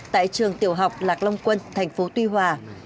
tại trường tiểu học lạc long quân tp tuy hòa